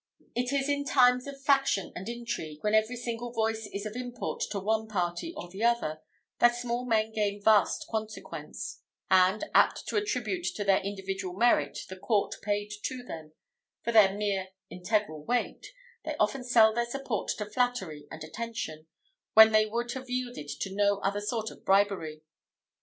It is in times of faction and intrigue, when every single voice is of import to one party or the other, that small men gain vast consequence; and, apt to attribute to their individual merit the court paid to them for their mere integral weight, they often sell their support to flattery and attention, when they would have yielded to no other sort of bribery.